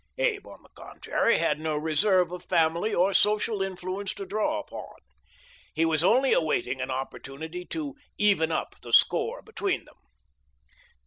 Abe, on the contrary, had no reserve of family or social influence to draw upon. He was only awaiting an opportunity to " even up " the score between them.